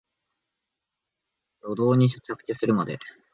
舗道に着地するまで